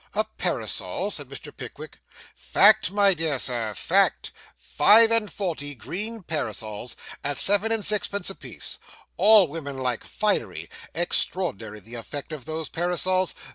'A parasol!' said Mr. Pickwick. 'Fact, my dear Sir, fact. Five and forty green parasols, at seven and sixpence a piece. All women like finery extraordinary the effect of those parasols.